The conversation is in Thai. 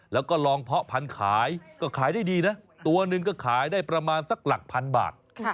แล้วก็ลองเพาะพันธุ์ขายก็ขายได้ดีนะตัวหนึ่งก็ขายได้ประมาณสักหลักพันบาท